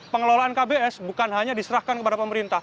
pengelolaan kbs bukan hanya diserahkan kepada pemerintah